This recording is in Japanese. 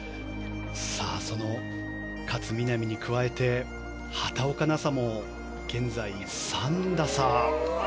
勝みなみに加えて畑岡奈紗も現在、３打差。